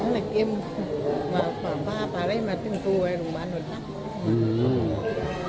เตรียมของมาตรงบ้านโดนชัก